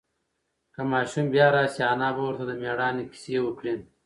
که ماشوم بیا راشي، انا به ورته د مېړانې قصې وکړي.